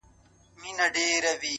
چي وايي ـ